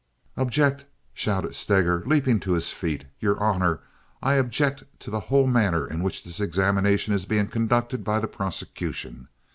"Object!" shouted Stager, leaping to his feet. "Your honor, I object to the whole manner in which this examination is being conducted by the prosecution.